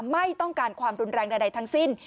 ไม่ต้องการความรุนแรงใดทั้งสิ้น